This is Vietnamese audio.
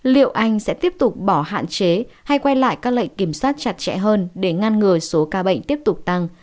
liệu anh sẽ tiếp tục bỏ hạn chế hay quay lại các lệnh kiểm soát chặt chẽ hơn để ngăn ngừa số ca bệnh tiếp tục tăng